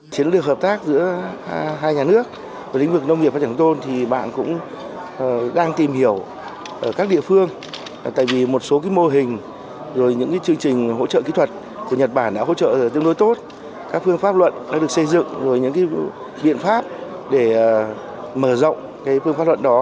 chiến lược hợp tác giữa hai nhà nước lĩnh vực nông nghiệp và trang trung tôn